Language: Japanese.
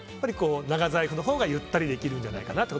長財布のほうがゆったりできるんじゃないかなと。